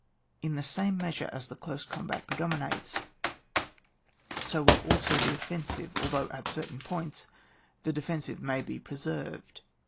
In the same measure as the close combat predominates, so will also the ofiensive, although at certain points the defensive may be preserved.